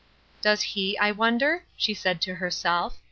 "Does he, I wonder?" she said to herself.